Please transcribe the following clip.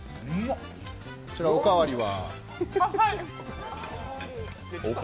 こちら、お代わりは？